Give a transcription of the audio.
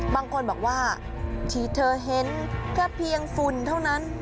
บางคนบอกว่าที่เธอเห็นแค่เพียงฝุ่นเท่านั้น